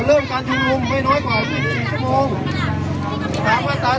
เจ้งการจุบนุมไม่ถูกต้องตามกฏหมายนะครับ